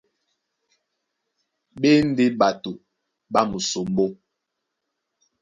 Ɓápɛ́pɛ̄ ɓá e ndé ɓato ɓá musombó.